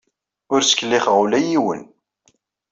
Ur ttkellixeɣ ula i yiwen.